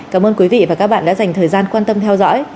cảm ơn quý vị và các bạn đã dành thời gian quan tâm theo dõi